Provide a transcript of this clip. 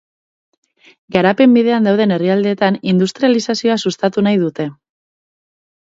Garapen bidean dauden herrialdeetan industrializazioa sustatu nahi dute.